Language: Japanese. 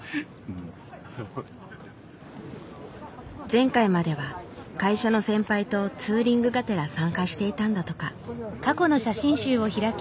前回までは会社の先輩とツーリングがてら参加していたんだとか。